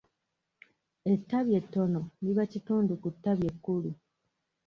Ettabi ettono liba kitundu ku ttabi ekkulu.